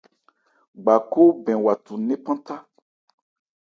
Gba khó bɛn wa thu nnephan thá.